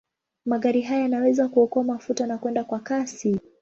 Magari haya yanaweza kuokoa mafuta na kwenda kwa kasi.